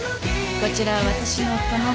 こちら私の夫の。